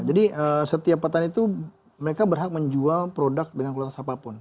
jadi setiap petani itu mereka berhak menjual produk dengan kualitas apapun